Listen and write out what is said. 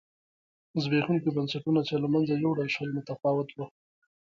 زبېښونکي بنسټونه چې له منځه یووړل شول متفاوت و.